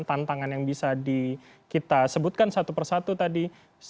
tantangan yang bisa kita sebutkan satu persatu tadi